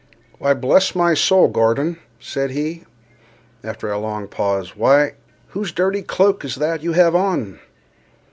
"Why, bless my soul, Gordon," said he, after a long pause, "why, why,—whose dirty cloak is that you have on?"